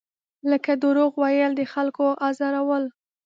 لکه دروغ ویل، د خلکو ازارول.